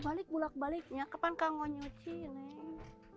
sepuluh balik bulat baliknya kapan kamu nyuci nek